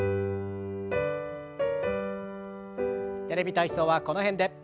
「テレビ体操」はこの辺で。